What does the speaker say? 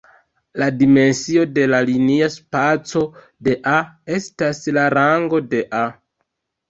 La dimensio de la linia spaco de "A" estas la rango de "A".